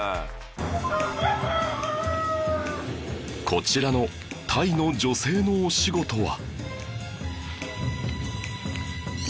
こちらのタイの女性のお仕事は